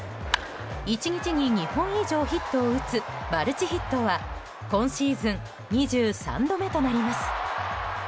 １日に２本以上ヒットを打つマルチヒットは今シーズン２３度目となります。